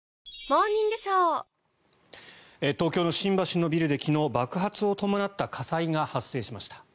東京の新橋のビルで昨日、爆発を伴った火災が発生しました。